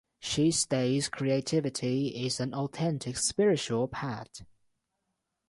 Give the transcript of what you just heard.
She states creativity is an authentic spiritual path.